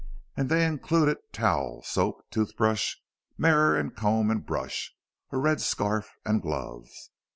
And they included towel, soap, toothbrush, mirror and comb and brush, a red scarf, and gloves.